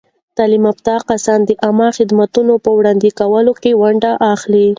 تعلیم یافته کسان د عامه خدمتونو په وړاندې کولو کې ونډه اخلي.